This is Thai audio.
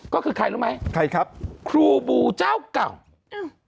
ก็คือใครรู้ไหมครูบูเจ้าเก่าใครครับ